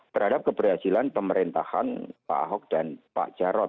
terhadap keberhasilan pemerintahan pak ahok dan pak jarod